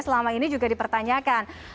selama ini juga dipertanyakan